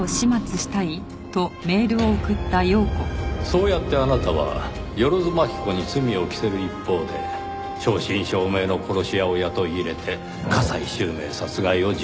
そうやってあなたは万津蒔子に罪を着せる一方で正真正銘の殺し屋を雇い入れて加西周明殺害を実行した。